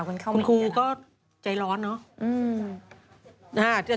คุณครูก็ใจร้อนเนอะ